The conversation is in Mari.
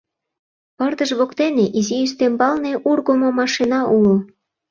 Пырдыж воктене изи ӱстембалне ургымо машина уло.